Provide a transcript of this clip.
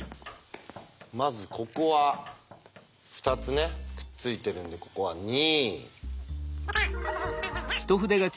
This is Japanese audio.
まずここは２つねくっついてるんでここは２。